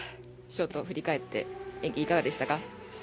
ショート振り返って演技、いかがでしたか？